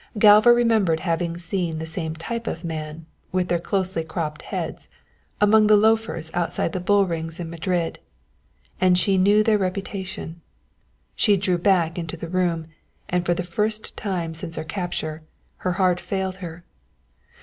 Galva remembered having seen the same type of man, with their closely cropped heads, among the loafers outside the bull rings in Madrid, and she knew their reputation. She drew back into the room, and for the first time since her capture, her heart failed her.